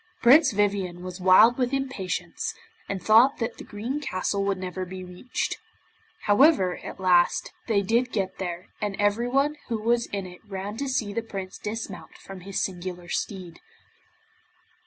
Prince Vivien was wild with impatience, and thought that the Green Castle would never be reached. However, at last, they did get there, and everyone who was in it ran to see the Prince dismount from his singular steed.